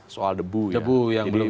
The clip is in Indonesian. soal debu ibu yang belum